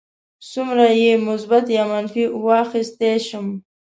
څومره یې مثبت یا منفي واخیستی شم.